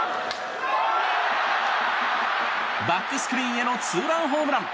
バックスクリーンへのツーランホームラン！